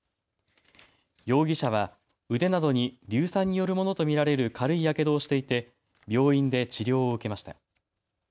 容疑者は腕などに硫酸によるものと見られる軽いやけどをしていて病院で治療を受けました。